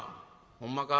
「ほんまか。